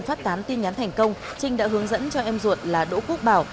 phát tán tin nhắn thành công trinh đã hướng dẫn cho em ruột là đỗ quốc bảo